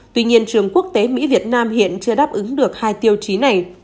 tuy nhiên trường quốc tế mỹ việt nam hiện chưa đáp ứng được hai tiêu chí này